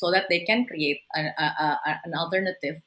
agar mereka bisa menciptakan alternatif